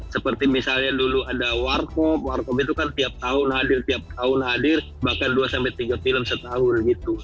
seperti misalnya dulu ada war cop war cop itu kan tiap tahun hadir tiap tahun hadir bahkan dua tiga film setahun gitu